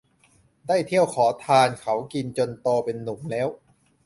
ได้เที่ยวขอทานเขากินจนโตเป็นหนุ่มแล้ว